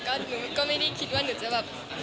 ก็หนูก็ไม่ได้คิดว่าหนูจะแบบ